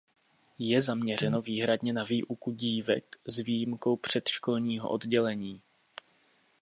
Je zaměřeno výhradně na výuku dívek s výjimkou předškolního oddělení.